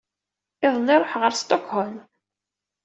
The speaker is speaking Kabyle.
Iḍelli, ruḥeɣ ar Stockholm.